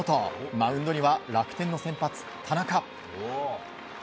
マウンドには楽天の先発・田中。